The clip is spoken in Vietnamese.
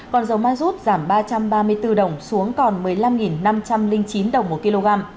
còn dầu ma rút giảm ba trăm ba mươi bốn đồng xuống còn một mươi năm năm trăm linh chín đồng một kg